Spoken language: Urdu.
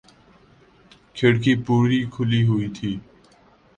کھڑکی پوری کھلی ہوئی تھی